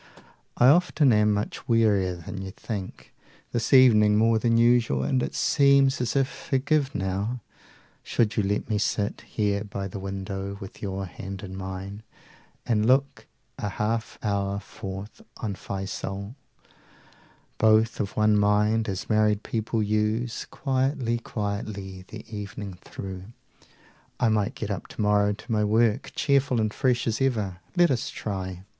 10 I often am much wearier than you think, This evening more than usual, and it seems As if forgive now should you let me sit Here by the window with your hand in mine And look a half hour forth on Fiesole, 15 Both of one mind, as married people use, Quietly, quietly the evening through, I might get up tomorrow to my work Cheerful and fresh as ever. Let us try.